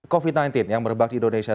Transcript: covid sembilan belas yang merebak di indonesia